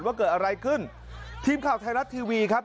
ว่าเกิดอะไรขึ้นทีมข่าวไทยรัฐทีวีครับ